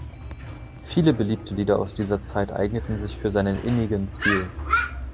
Viele beliebte Lieder aus dieser Zeit eigneten sich für seinen innigen Stil.